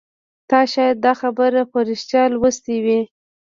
تا شاید دا خبر په ریښتیا لوستی وي